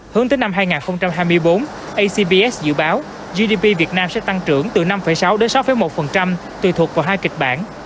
hướng tới năm hai nghìn hai mươi bốn acvs dự báo gdp việt nam sẽ tăng trưởng từ năm sáu đến sáu một tùy thuộc vào hai kịch bản